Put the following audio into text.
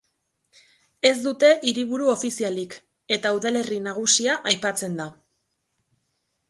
Ez dute hiriburu ofizialik eta udalerri nagusia aipatzen da.